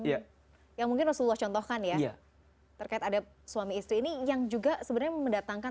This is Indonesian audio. yang mungkin rasulullah contohkan ya terkait ada suami istri ini yang juga sebenarnya mendatangkan